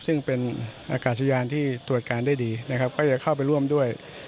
ซึ่งเป็นอากาศยานที่ตรวจการได้ดีนะครับก็จะเข้าไปร่วมด้วย